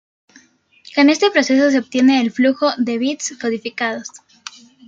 Con este proceso, se obtiene el flujo de bits codificados.